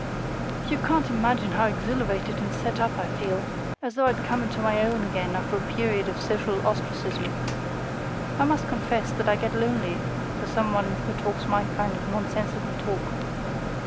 You can't imagine how exhilarated and set up I feel, as though I'd come into my own again after a period of social ostracism. I must confess that I get lonely for some one who talks my kind of nonsensical talk.